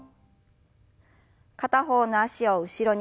片方の脚を後ろに。